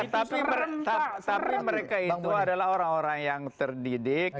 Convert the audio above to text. tapi mereka itu adalah orang orang yang terdidik